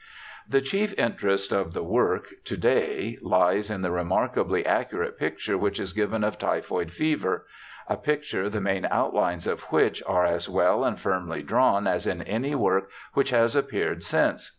The chief interest of the work to day lies in the remarkably accurate picture which is given of typhoid fever — a picture the main outlines of which are as well and firmly drawn as in any work which has appeared since.